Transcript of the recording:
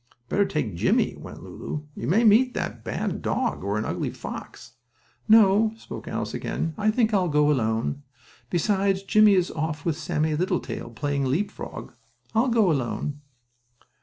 "Better take Jimmie," went on Lulu. "You may meet the bad dog or an ugly fox." "No," spoke Alice again, "I think I'll go alone. Besides, Jimmie is off with Sammie Littletail, playing leapfrog. I'll go alone."